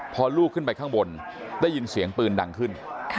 พอลูกขึ้นไปข้างบนได้ยินเสียงปืนดังขึ้น